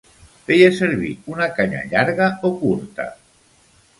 Feia servir una canya llarga o curta?